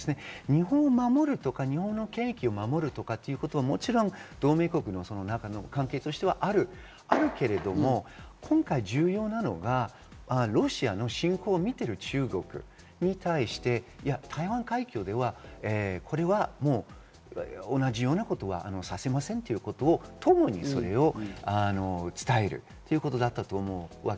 日本を守るとか、日本の権益を守るということはもちろん同盟国の中の関係としてはあるけれども、今回重要なのがロシアの侵攻を見ている中国に対して、台湾海峡ではこれはもう同じようなことはさせませんということをともに伝えるということだったと思います。